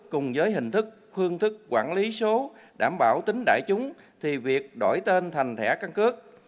cùng với hình thức phương thức quản lý số đảm bảo tính đại chúng thì việc đổi tên thành thẻ căn cước